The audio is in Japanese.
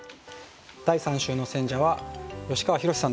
第３週の選者は吉川宏志さんです。